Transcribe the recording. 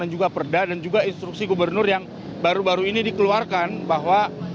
dan juga perda dan juga instruksi gubernur yang baru baru ini dikeluarkan bahwa